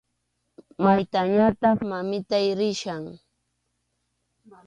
Maytañataq, mamita, risaq.